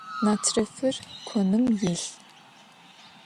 Натрыфыр коным илъ.